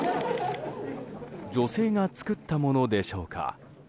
女性が作ったものでしょうか。